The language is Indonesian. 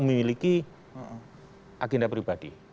itu memiliki agenda pribadi